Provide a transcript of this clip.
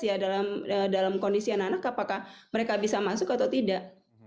ya dalam kondisi anak anak apakah mereka bisa masuk atau tidak